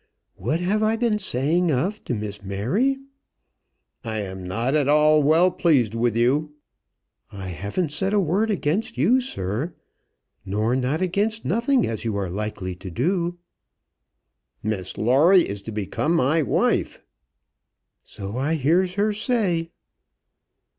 "What have I been saying of to Miss Mary?" "I am not at all well pleased with you." "I haven't said a word again you, sir, nor not again nothing as you are likely to do." "Miss Lawrie is to become my wife." "So I hears her say."